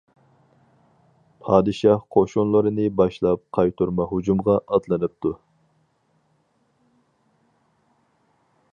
پادىشاھ قوشۇنلىرىنى باشلاپ قايتۇرما ھۇجۇمغا ئاتلىنىپتۇ.